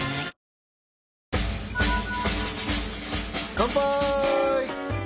乾杯！